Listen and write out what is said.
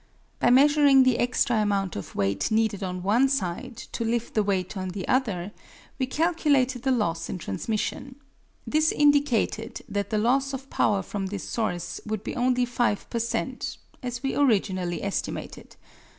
By measuring the extra amount of weight needed on one side to lift the weight on the other, we calculated the loss in transmission. This indicated that the loss of power from this source would be only 5 per cent., as we originally estimated.